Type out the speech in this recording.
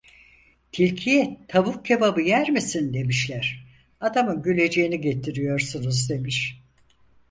Tilkiye tavuk kebabı yer misin demişler; adamın güleceğini getiriyorsunuz demiş.